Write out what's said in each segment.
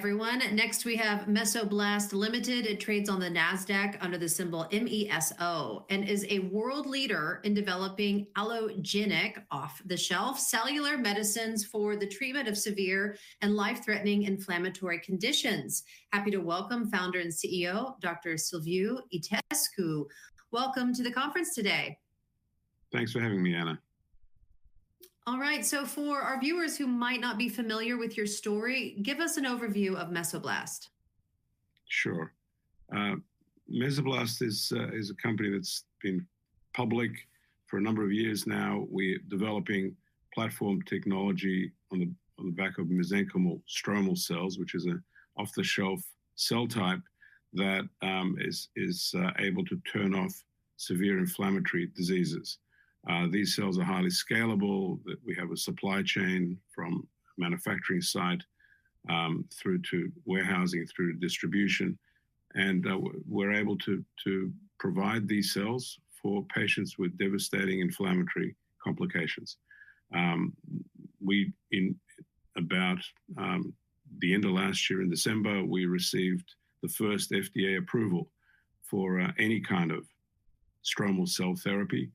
Everyone. Next, we have Mesoblast Limited. It trades on the Nasdaq under the symbol MESO and is a world leader in developing allogeneic, off-the-shelf, cellular medicines for the treatment of severe and life-threatening inflammatory conditions. Happy to welcome Founder and CEO Dr. Silviu Itescu. Welcome to the conference today. Thanks for having me, Anna. All right. So for our viewers who might not be familiar with your story, give us an overview of Mesoblast? Sure. Mesoblast is a company that's been public for a number of years now. We're developing platform technology on the back of mesenchymal stromal cells, which is an off-the-shelf cell type that is able to turn off severe inflammatory diseases. These cells are highly scalable. We have a supply chain from manufacturing site through to warehousing, through to distribution. And we're able to provide these cells for patients with devastating inflammatory complications. About the end of last year, in December, we received the first FDA approval for any kind of stromal cell therapy,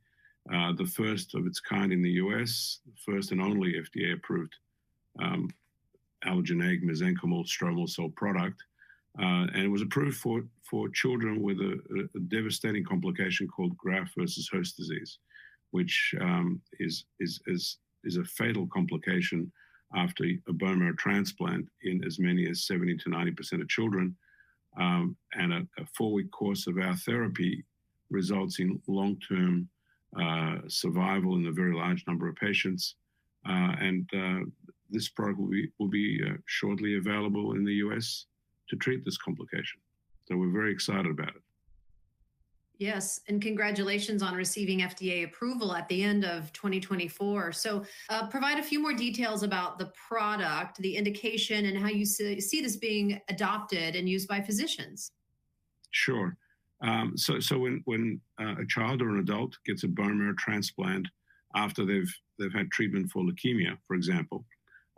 the first of its kind in the US, the first and only FDA-approved allogeneic mesenchymal stromal cell product. And it was approved for children with a devastating complication called graft-versus-host disease, which is a fatal complication after a bone marrow transplant in as many as 70%-90% of children. A four-week course of our therapy results in long-term survival in a very large number of patients. This product will be shortly available in the U.S. to treat this complication. We're very excited about it. Yes. And congratulations on receiving FDA approval at the end of 2024. So provide a few more details about the product, the indication, and how you see this being adopted and used by physicians. Sure. So when a child or an adult gets a bone marrow transplant after they've had treatment for leukemia, for example,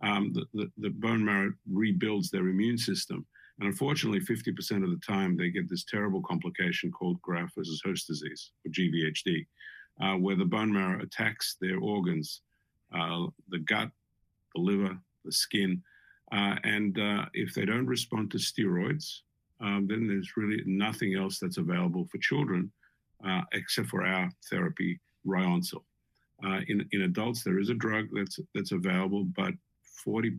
the bone marrow rebuilds their immune system. And unfortunately, 50% of the time, they get this terrible complication called graft-versus-host disease, or GVHD, where the bone marrow attacks their organs: the gut, the liver, the skin. And if they don't respond to steroids, then there's really nothing else that's available for children except for our therapy, RYONCIL. In adults, there is a drug that's available, but 40%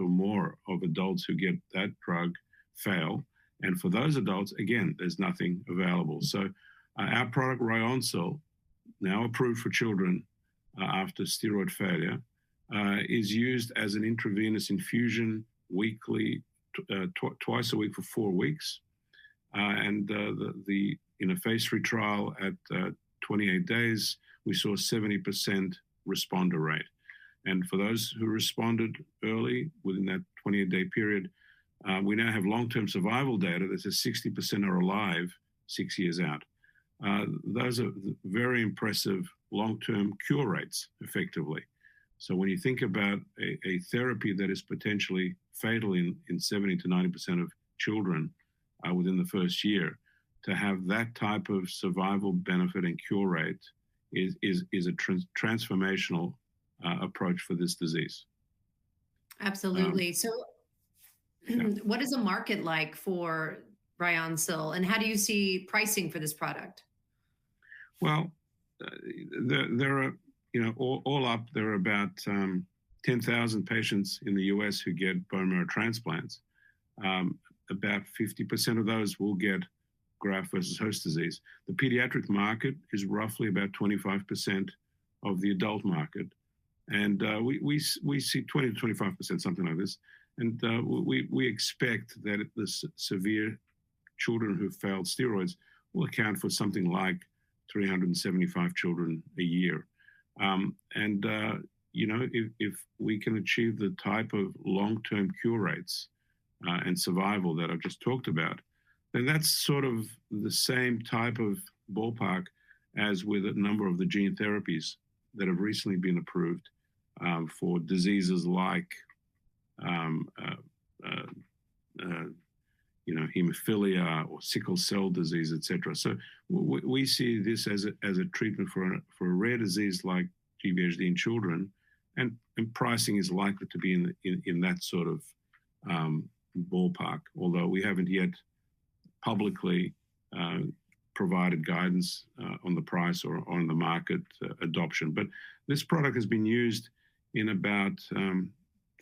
or more of adults who get that drug fail. And for those adults, again, there's nothing available. So our product, RYONCIL, now approved for children after steroid failure, is used as an intravenous infusion weekly, twice a week for four weeks. And in a Phase 3 trial at 28 days, we saw a 70% responder rate. For those who responded early within that 28-day period, we now have long-term survival data that says 60% are alive six years out. Those are very impressive long-term cure rates, effectively. When you think about a therapy that is potentially fatal in 70%-90% of children within the first year, to have that type of survival benefit and cure rate is a transformational approach for this disease. Absolutely. So what is the market like for RYONCIL? And how do you see pricing for this product? All up, there are about 10,000 patients in the U.S. who get bone marrow transplants. About 50% of those will get graft-versus-host disease. The pediatric market is roughly about 25% of the adult market. And we see 20% to 25%, something like this. And we expect that the severe children who failed steroids will account for something like 375 children a year. And if we can achieve the type of long-term cure rates and survival that I've just talked about, then that's sort of the same type of ballpark as with a number of the gene therapies that have recently been approved for diseases like, you know, hemophilia or sickle cell disease, et cetera. So we see this as a treatment for a rare disease like GVHD in children. Pricing is likely to be in that sort of ballpark, although we haven't yet publicly provided guidance on the price or on the market adoption. This product has been used in about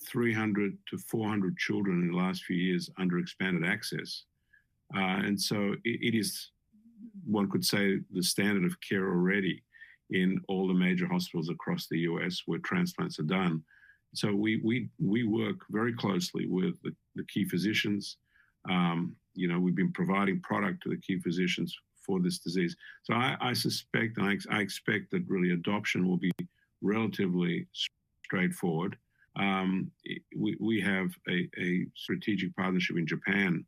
300-400 children in the last few years under expanded access. It is, one could say, the standard of care already in all the major hospitals across the US where transplants are done. We work very closely with the key physicians. You know, we've been providing product to the key physicians for this disease. I suspect, I expect that really adoption will be relatively straightforward. We have a strategic partnership in Japan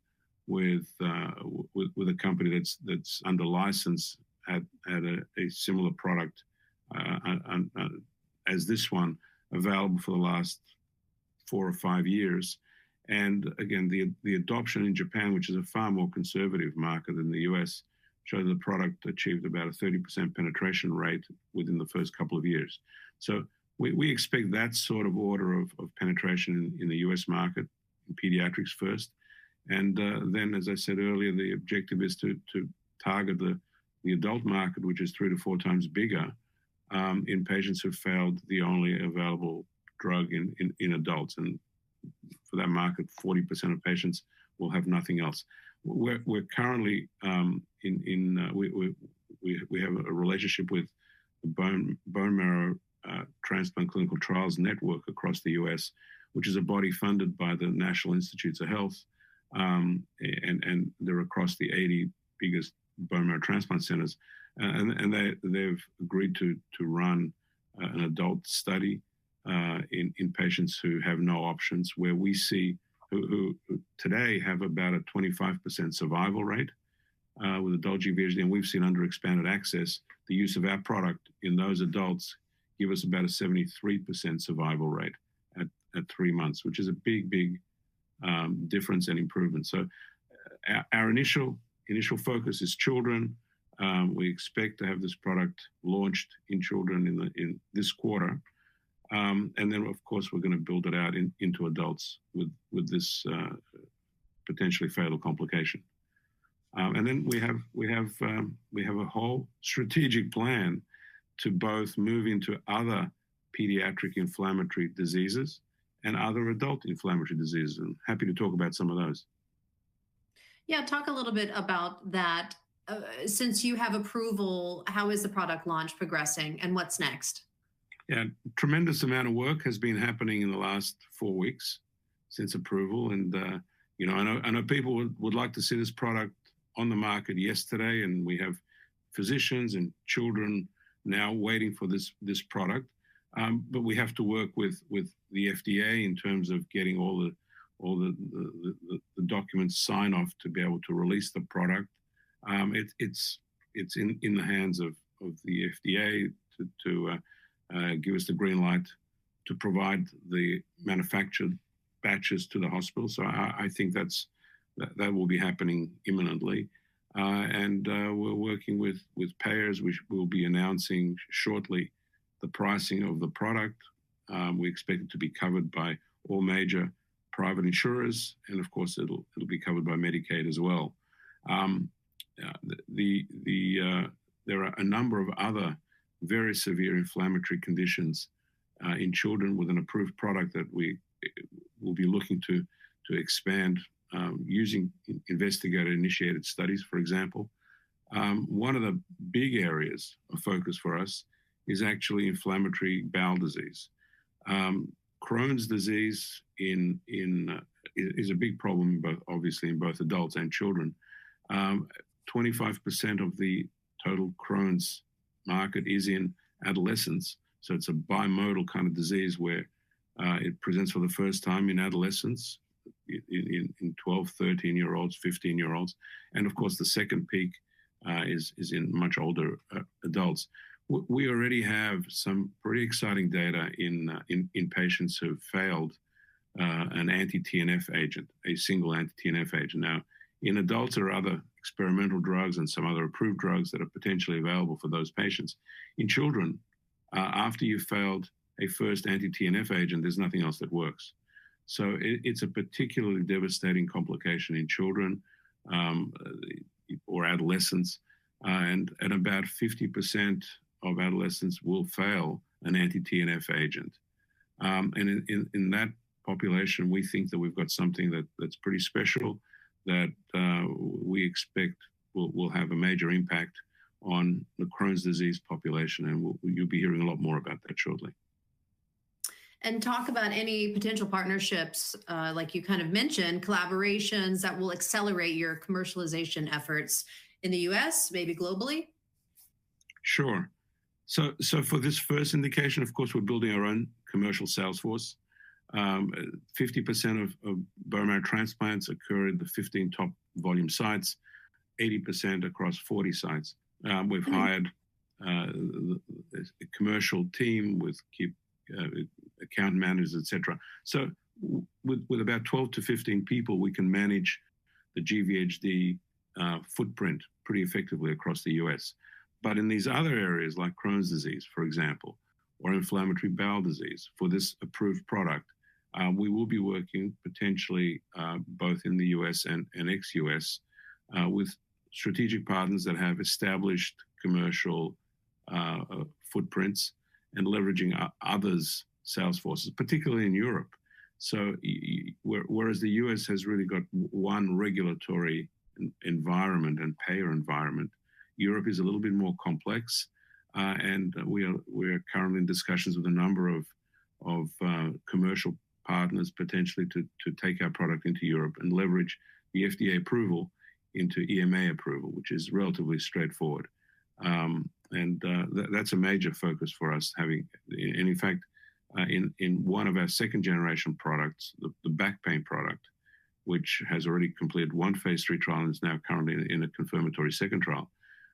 with a company that's under license at a similar product as this one, available for the last four or five years. Again, the adoption in Japan, which is a far more conservative market than the U.S. showed the product achieved about a 30% penetration rate within the first couple of years. We expect that sort of order of penetration in the U.S. market, pediatrics first. As I said earlier, the objective is to target the adult market, which is three to four times bigger in patients who failed the only available drug in adults. For that market, 40% of patients will have nothing else. We currently have a relationship with the Bone Marrow Transplant Clinical Trials Network across the U.S. which is a body funded by the National Institutes of Health. They're across the 80 biggest bone marrow transplant centers. They've agreed to run an adult study in patients who have no options, where we see who today have about a 25% survival rate with adult GVHD. We've seen under expanded access, the use of our product in those adults give us about a 73% survival rate at three months, which is a big, big difference and improvement. Our initial focus is children. We expect to have this product launched in children in this quarter. Then, of course, we're going to build it out into adults with this potentially fatal complication. Then we have a whole strategic plan to both move into other pediatric inflammatory diseases and other adult inflammatory diseases. I'm happy to talk about some of those. Yeah, talk a little bit about that. Since you have approval, how is the product launch progressing and what's next? Yeah, tremendous amount of work has been happening in the last four weeks since approval, and, you know, I know people would like to see this product on the market yesterday, and we have physicians and children now waiting for this product, but we have to work with the FDA in terms of getting all the documents signed off to be able to release the product. It's in the hands of the FDA to give us the green light to provide the manufactured batches to the hospital, so I think that will be happening imminently, and we're working with payers. We will be announcing shortly the pricing of the product. We expect it to be covered by all major private insurers, and of course, it'll be covered by Medicaid as well. There are a number of other very severe inflammatory conditions in children with an approved product that we will be looking to expand using investigator-initiated studies, for example. One of the big areas of focus for us is actually inflammatory bowel disease. Crohn's disease is a big problem, obviously, in both adults and children. 25% of the total Crohn's market is in adolescents. So it's a bimodal kind of disease where it presents for the first time in adolescents, in 12, 13-year-olds, 15-year-olds. And of course, the second peak is in much older adults. We already have some pretty exciting data in patients who failed an anti-TNF agent, a single anti-TNF agent. Now, in adults, there are other experimental drugs and some other approved drugs that are potentially available for those patients. In children, after you've failed a first anti-TNF agent, there's nothing else that works. It's a particularly devastating complication in children or adolescents. About 50% of adolescents will fail an anti-TNF agent. In that population, we think that we've got something that's pretty special that we expect will have a major impact on the Crohn's disease population. You'll be hearing a lot more about that shortly. Talk about any potential partnerships, like you kind of mentioned, collaborations that will accelerate your commercialization efforts in the U.S. maybe globally. Sure. So for this first indication, of course, we're building our own commercial sales force. 50% of bone marrow transplants occur in the 15 top volume sites, 80% across 40 sites. We've hired a commercial team with account managers, et cetera. So with about 12 to 15 people, we can manage the GVHD footprint pretty effectively across the US. But in these other areas, like Crohn's disease, for example, or inflammatory bowel disease, for this approved product, we will be working potentially both in the US and ex-US with strategic partners that have established commercial footprints and leveraging others' sales forces, particularly in Europe. So whereas the US has really got one regulatory environment and payer environment, Europe is a little bit more complex. We are currently in discussions with a number of commercial partners potentially to take our product into Europe and leverage the FDA approval into EMA approval, which is relatively straightforward. That's a major focus for us. In fact, in one of our second-generation products, the back pain product, which has already completed one phase three trial and is now currently in a confirmatory second trial,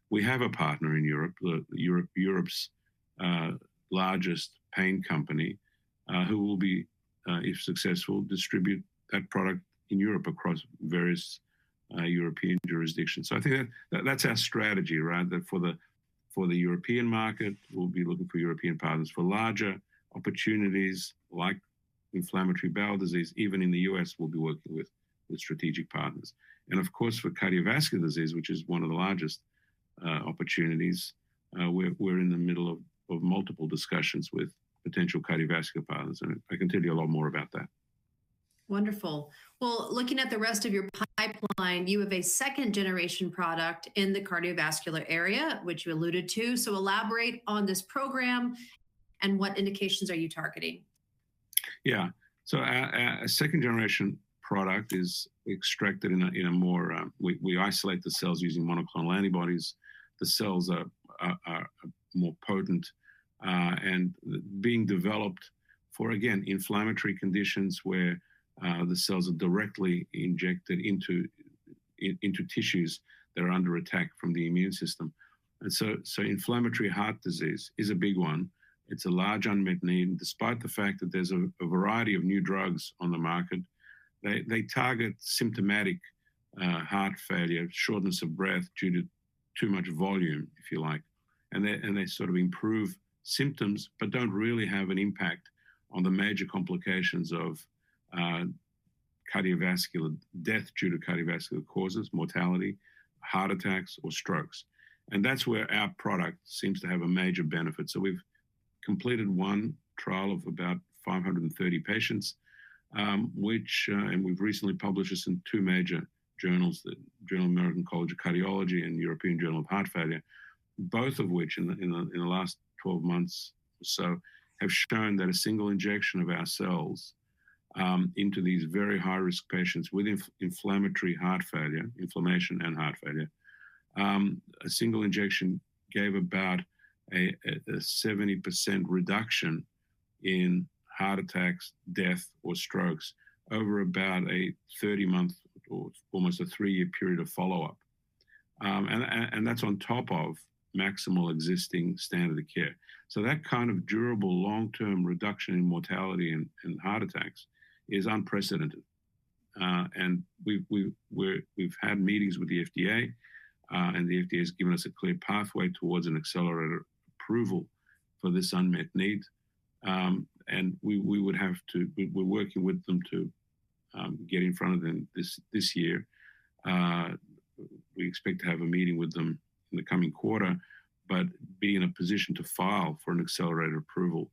we have a partner in Europe, Europe's largest pain company, who will be, if successful, distribute that product in Europe across various European jurisdictions. So I think that's our strategy, right? For the European market, we'll be looking for European partners. For larger opportunities like inflammatory bowel disease, even in the U.S. we'll be working with strategic partners. Of course, for cardiovascular disease, which is one of the largest opportunities, we're in the middle of multiple discussions with potential cardiovascular partners. I can tell you a lot more about that. Wonderful. Well, looking at the rest of your pipeline, you have a second-generation product in the cardiovascular area, which you alluded to. So elaborate on this program and what indications are you targeting? Yeah. So a second-generation product is extracted. We isolate the cells using monoclonal antibodies. The cells are more potent and being developed for, again, inflammatory conditions where the cells are directly injected into tissues that are under attack from the immune system, and so inflammatory heart disease is a big one. It's a large unmet need, and despite the fact that there's a variety of new drugs on the market, they target symptomatic heart failure, shortness of breath due to too much volume, if you like, and they sort of improve symptoms, but don't really have an impact on the major complications of cardiovascular death due to cardiovascular causes, mortality, heart attacks, or strokes, and that's where our product seems to have a major benefit. So we've completed one trial of about 530 patients, which, and we've recently published this in two major journals, the Journal of the American College of Cardiology and European Journal of Heart Failure, both of which in the last 12 months or so have shown that a single injection of our cells into these very high-risk patients with inflammatory heart failure, inflammation and heart failure, a single injection gave about a 70% reduction in heart attacks, death, or strokes over about a 30-month or almost a three-year period of follow-up. And that's on top of maximal existing standard of care. So that kind of durable long-term reduction in mortality and heart attacks is unprecedented. And we've had meetings with the FDA. And the FDA has given us a clear pathway towards an accelerated approval for this unmet need. We would have to. We're working with them to get in front of them this year. We expect to have a meeting with them in the coming quarter, but be in a position to file for an accelerated approval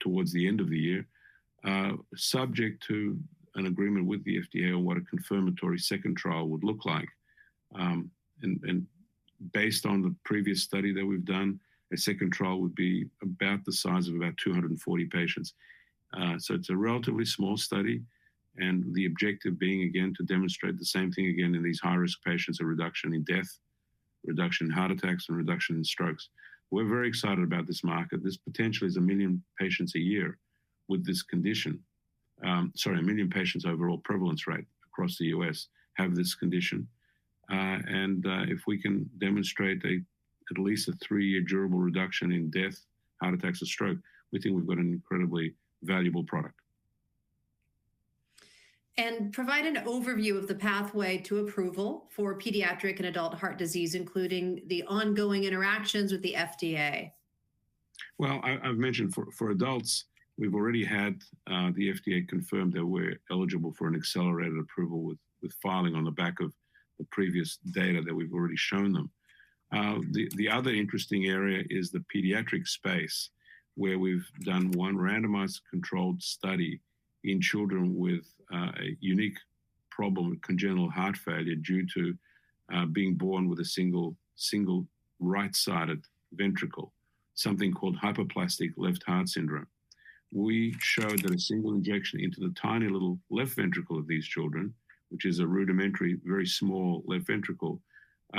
towards the end of the year, subject to an agreement with the FDA on what a confirmatory second trial would look like. Based on the previous study that we've done, a second trial would be about the size of about 240 patients. It's a relatively small study. The objective being, again, to demonstrate the same thing again in these high-risk patients, a reduction in death, reduction in heart attacks, and reduction in strokes. We're very excited about this market. This potentially is a million patients a year with this condition. Sorry, a million patients overall prevalence rate across the U.S. have this condition. If we can demonstrate at least a three-year durable reduction in death, heart attacks, or stroke, we think we've got an incredibly valuable product. Provide an overview of the pathway to approval for pediatric and adult heart disease, including the ongoing interactions with the FDA. I've mentioned for adults, we've already had the FDA confirm that we're eligible for an accelerated approval with filing on the back of the previous data that we've already shown them. The other interesting area is the pediatric space, where we've done one randomized controlled study in children with a unique problem, congenital heart failure due to being born with a single right-sided ventricle, something called hypoplastic left heart syndrome. We showed that a single injection into the tiny little left ventricle of these children, which is a rudimentary, very small left ventricle,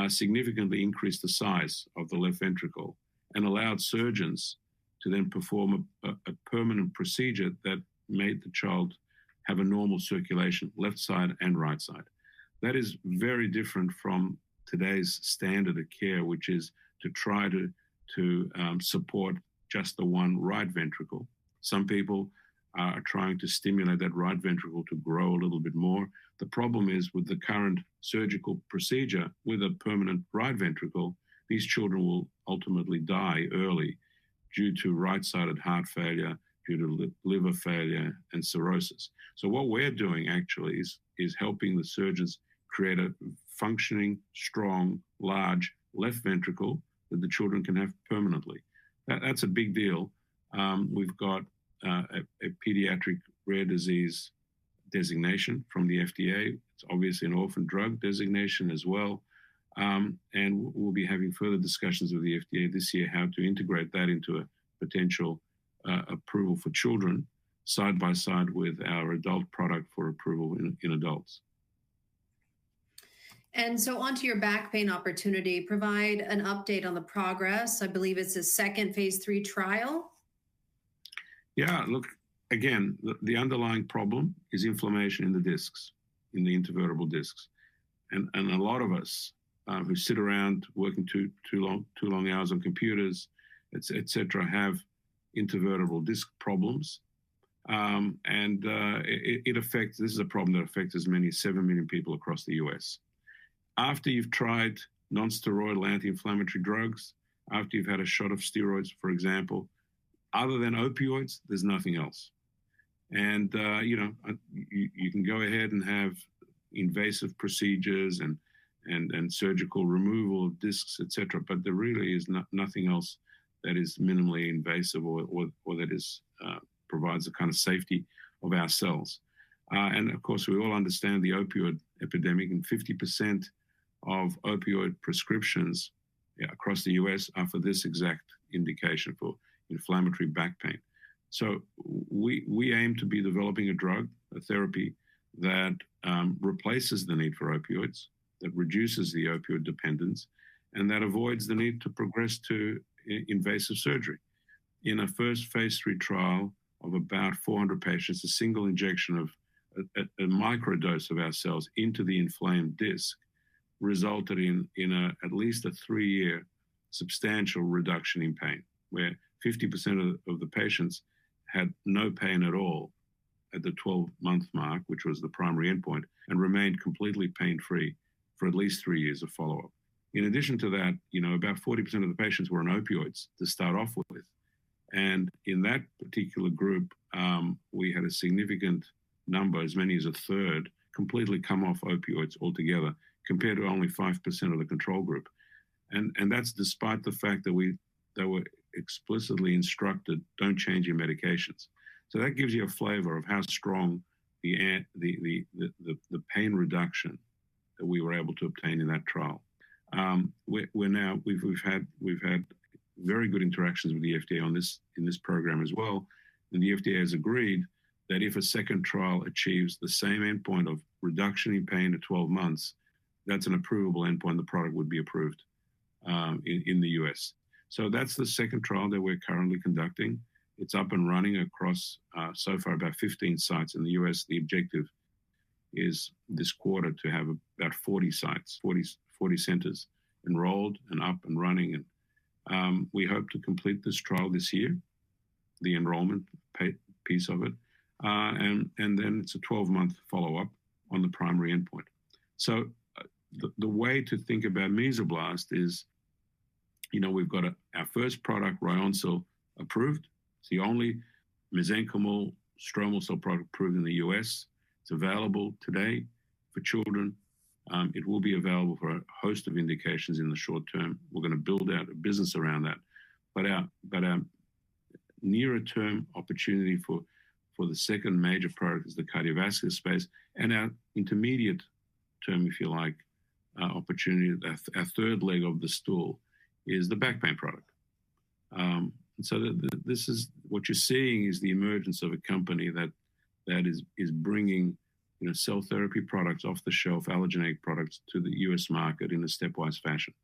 significantly increased the size of the left ventricle and allowed surgeons to then perform a permanent procedure that made the child have a normal circulation, left side and right side. That is very different from today's standard of care, which is to try to support just the one right ventricle. Some people are trying to stimulate that right ventricle to grow a little bit more. The problem is with the current surgical procedure with a permanent right ventricle. These children will ultimately die early due to right-sided heart failure, due to liver failure, and cirrhosis. So what we're doing actually is helping the surgeons create a functioning, strong, large left ventricle that the children can have permanently. That's a big deal. We've got a pediatric rare disease designation from the FDA. It's obviously an orphan drug designation as well. And we'll be having further discussions with the FDA this year how to integrate that into a potential approval for children side by side with our adult product for approval in adults. And so on to your back pain opportunity, provide an update on the progress. I believe it's a second phase 3 trial. Yeah. Look, again, the underlying problem is inflammation in the discs, in the intervertebral discs. And a lot of us who sit around working too long hours on computers, et cetera, have intervertebral disc problems. And this is a problem that affects as many as seven million people across the U.S. After you've tried nonsteroidal anti-inflammatory drugs, after you've had a shot of steroids, for example, other than opioids, there's nothing else. And, you know, you can go ahead and have invasive procedures and surgical removal of discs, et cetera, but there really is nothing else that is minimally invasive or that provides a kind of safety of ourselves. And of course, we all understand the opioid epidemic. And 50% of opioid prescriptions across the U.S. are for this exact indication for inflammatory back pain. We aim to be developing a drug, a therapy that replaces the need for opioids, that reduces the opioid dependence, and that avoids the need to progress to invasive surgery. In a first phase three trial of about 400 patients, a single injection of a micro dose of our cells into the inflamed disc resulted in at least a three-year substantial reduction in pain, where 50% of the patients had no pain at all at the 12-month mark, which was the primary endpoint, and remained completely pain-free for at least three years of follow-up. In addition to that, you know, about 40% of the patients were on opioids to start off with. And in that particular group, we had a significant number, as many as a third, completely come off opioids altogether, compared to only 5% of the control group. And that's despite the fact that we were explicitly instructed, "Don't change your medications." So that gives you a flavor of how strong the pain reduction that we were able to obtain in that trial. We've had very good interactions with the FDA in this program as well. And the FDA has agreed that if a second trial achieves the same endpoint of reduction in pain at 12 months, that's an approvable endpoint, the product would be approved in the U.S. So that's the second trial that we're currently conducting. It's up and running across so far about 15 sites in the U.S. The objective is this quarter to have about 40 sites, 40 centers enrolled and up and running. And we hope to complete this trial this year, the enrollment piece of it. And then it's a 12-month follow-up on the primary endpoint. So the way to think about Mesoblast is, you know, we've got our first product, RYONCIL, approved. It's the only mesenchymal stromal cell product approved in the U.S. It's available today for children. It will be available for a host of indications in the short term. We're going to build out a business around that. But our nearer-term opportunity for the second major product is the cardiovascular space. And our intermediate term, if you like, opportunity, our third leg of the stool, is the back pain product. So this is what you're seeing is the emergence of a company that is bringing cell therapy products off-the-shelf, allogeneic products to the U.S. market in a stepwise fashion.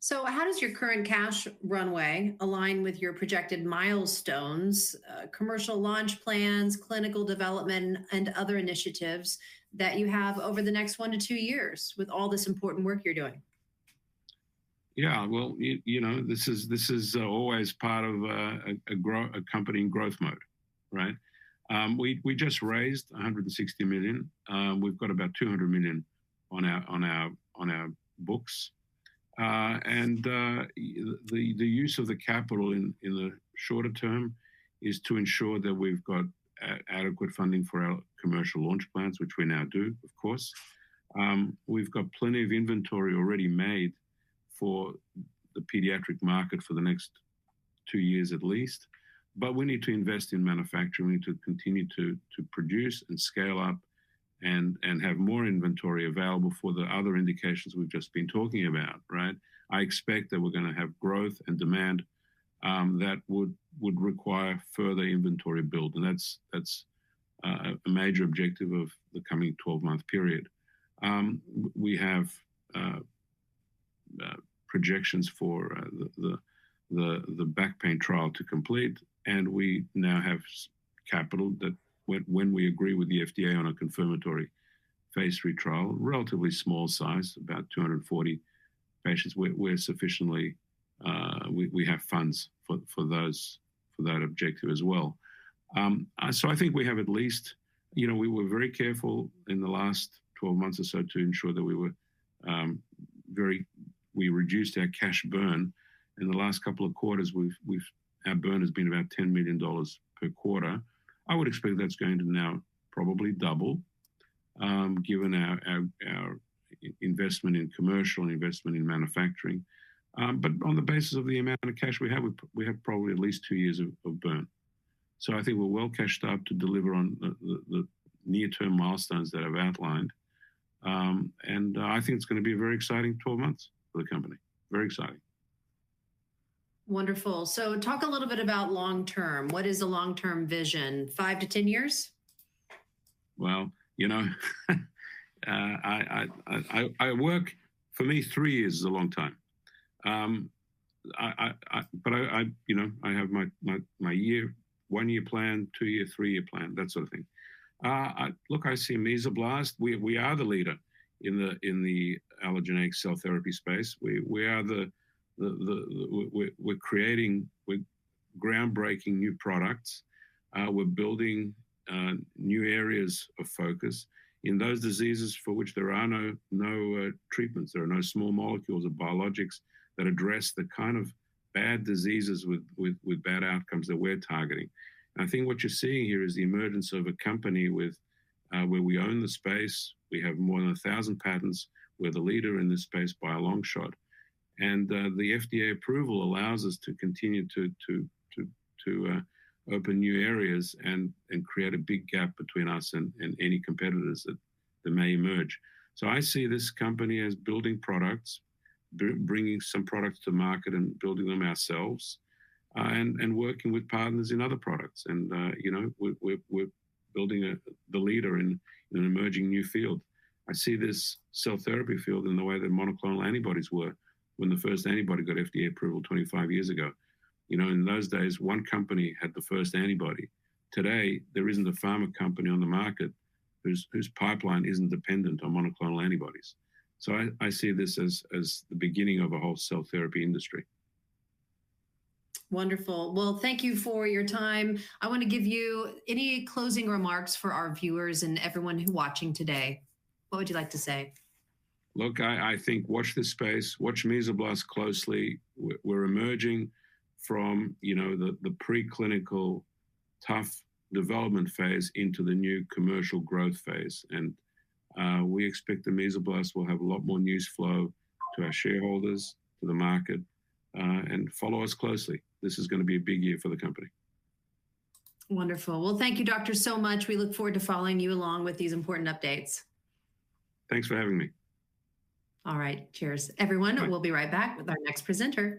So how does your current cash runway align with your projected milestones, commercial launch plans, clinical development, and other initiatives that you have over the next one to two years with all this important work you're doing? Yeah. Well, you know, this is always part of a company in growth mode, right? We just raised $160 million. We've got about $200 million on our books. And the use of the capital in the shorter term is to ensure that we've got adequate funding for our commercial launch plans, which we now do, of course. We've got plenty of inventory already made for the pediatric market for the next two years at least. But we need to invest in manufacturing. We need to continue to produce and scale up and have more inventory available for the other indications we've just been talking about, right? I expect that we're going to have growth and demand that would require further inventory build. And that's a major objective of the coming 12-month period. We have projections for the back pain trial to complete. And we now have capital that, when we agree with the FDA on a confirmatory phase 3 trial, relatively small size, about 240 patients, we have funds for that objective as well. So I think we have at least, you know, we were very careful in the last 12 months or so to ensure that we were very, we reduced our cash burn. In the last couple of quarters, our burn has been about $10 million per quarter. I would expect that's going to now probably double given our investment in commercial and investment in manufacturing. But on the basis of the amount of cash we have, we have probably at least two years of burn. So I think we're well cashed up to deliver on the near-term milestones that I've outlined. And I think it's going to be a very exciting 12 months for the company. Very exciting. Wonderful. So talk a little bit about long-term. What is a long-term vision? Five to 10 years? You know, I work, for me, three years is a long time. But I, you know, I have my year, one-year plan, two-year, three-year plan, that sort of thing. Look, I see Mesoblast. We are the leader in the allogeneic cell therapy space. We're creating groundbreaking new products. We're building new areas of focus in those diseases for which there are no treatments. There are no small molecules or biologics that address the kind of bad diseases with bad outcomes that we're targeting. And I think what you're seeing here is the emergence of a company where we own the space. We have more than 1,000 patents. We're the leader in this space by a long shot. And the FDA approval allows us to continue to open new areas and create a big gap between us and any competitors that may emerge. So I see this company as building products, bringing some products to market and building them ourselves, and working with partners in other products. And, you know, we're building the leader in an emerging new field. I see this cell therapy field in the way that monoclonal antibodies were when the first antibody got FDA approval 25 years ago. You know, in those days, one company had the first antibody. Today, there isn't a Pharma company on the market whose pipeline isn't dependent on monoclonal antibodies. So I see this as the beginning of a whole cell therapy industry. Wonderful. Well, thank you for your time. I want to give you any closing remarks for our viewers and everyone who's watching today. What would you like to say? Look, I think. Watch this space. Watch Mesoblast closely. We're emerging from, you know, the preclinical tough development phase into the new commercial growth phase. And we expect that Mesoblast will have a lot more news flow to our shareholders, to the market, and follow us closely. This is going to be a big year for the company. Wonderful. Well, thank you, Doctor, so much. We look forward to following you along with these important updates. Thanks for having me. All right. Cheers, everyone. We'll be right back with our next presenter.